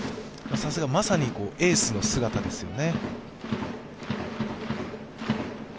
まさにエースの姿ですよね。